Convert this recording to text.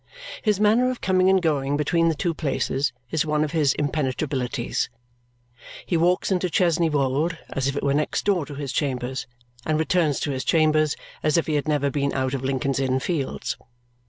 His manner of coming and going between the two places is one of his impenetrabilities. He walks into Chesney Wold as if it were next door to his chambers and returns to his chambers as if he had never been out of Lincoln's Inn Fields.